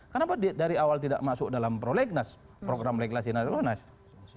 kenapa dari awal tidak masuk dalam prolegnas program leglasi naro naro